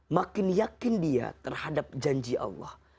makin yakin dia terhadap janji allah